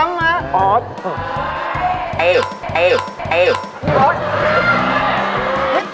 น้องม่วงอะอย่าจับแรงเดี๋ยวมันจะช้างมา